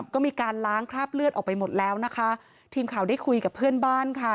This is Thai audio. ก็มีการล้างคราบเลือดออกไปหมดแล้วนะคะทีมข่าวได้คุยกับเพื่อนบ้านค่ะ